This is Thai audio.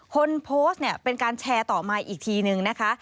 คนโพสต์เนี่ยเป็นการแชร์ต่อมาอีกทีนึงนะคะ